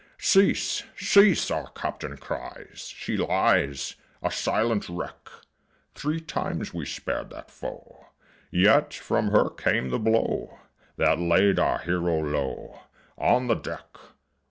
"Cease! Cease!" our Captain cries. "She lies A silent wreck!" Three times we spared that foe, Yet from her came the blow That laid our hero low On the deck.